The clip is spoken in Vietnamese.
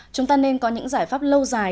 chúng ta nên có những giải pháp lâu dài